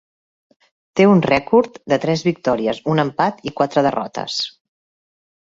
Té un rècord de tres victòries, un empat i quatre derrotes.